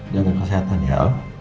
jangan kesehatan ya